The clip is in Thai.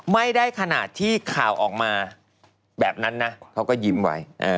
ไม่ได้ขนาดที่ข่าวออกมาแบบนั้นนะเขาก็ยิ้มไว้